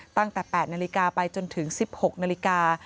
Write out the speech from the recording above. ตั้งแต่๘นาฬิกาไปจนถึง๑๖นาฬิกา